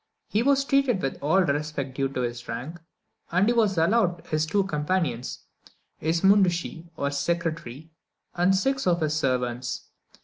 He was treated with all the respect due to his rank, and he was allowed his two companions, his mundschi, or secretary, and six of his servants.